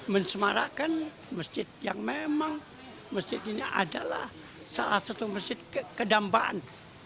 mensemarakan masjid yang memang masjid ini adalah salah satu masjid kedampaan